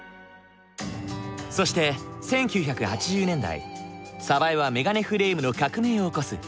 そして１９８０年代江はメガネフレームの革命を起こす。